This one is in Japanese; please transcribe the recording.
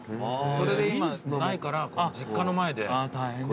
それで今ないから実家の前で。